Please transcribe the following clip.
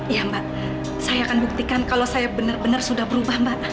iya mbak saya akan buktikan kalau saya benar benar sudah berubah mbak